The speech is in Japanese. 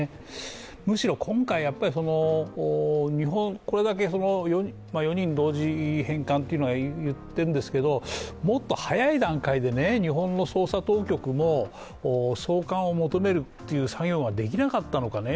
むしろ、今回これだけ４人同時返還っていうのは言ってるんですけどもっと早い段階で日本の捜査当局も送還を求めるという作業ができなかったのか。